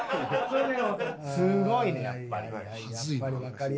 すごいねやっぱり。